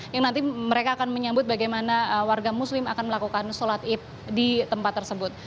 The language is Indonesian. yang nanti mereka akan menyambut bagaimana warga muslim akan melakukan sholat id di tempat tersebut